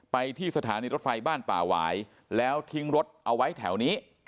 ไปที่สถานีรถไฟบ้านป่าหวายแล้วทิ้งรถเอาไว้แถวนี้